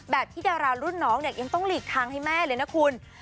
ที่ดารารุ่นน้องเนี่ยยังต้องหลีกทางให้แม่เลยนะคุณ